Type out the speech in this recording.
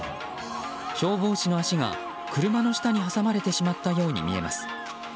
消防士の足が車の下に挟まれてしまったように見えます。